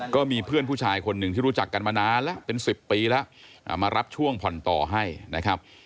ก็มีเพื่อนผู้ชายคนหนึ่งที่รู้จักกันมานานแล้วเป็น๑๐ปีแล้วมารับช่วงผ่อนต่อให้นะครับ